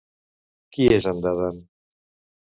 Qui és en Dadan?